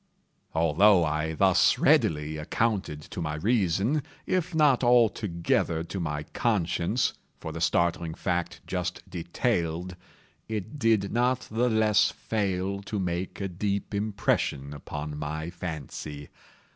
Although I thus readily accounted to my reason, if not altogether to my conscience, for the startling fact just detailed, it did not the less fail to make a deep impression upon my fancy.